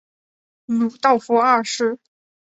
鲁道夫二世。